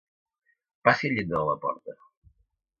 Passi el llindar de la porta.